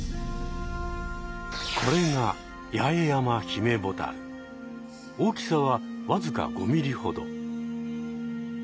これが大きさはわずか５ｍｍほど。